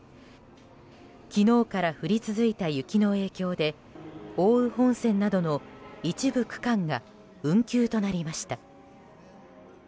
昨日から降り続いた雪の影響で奥羽本線などの一部区間が運休となりました。